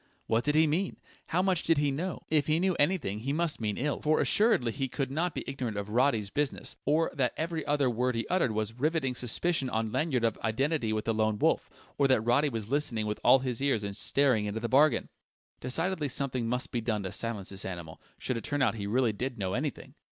What did he mean? How much did he know? If he knew anything, he must mean ill, for assuredly he could not be ignorant of Roddy's business, or that every other word he uttered was rivetting suspicion on Lanyard of identity with the Lone Wolf, or that Roddy was listening with all his ears and staring into the bargain! Decidedly something must be done to silence this animal, should it turn out he really did know anything!